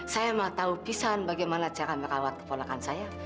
saya mah tau pisan bagaimana cara merawat keponakan saya